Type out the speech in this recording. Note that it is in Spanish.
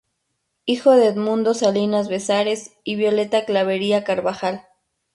Hijo de Edmundo Salinas Bezares y Violeta Clavería Carvajal.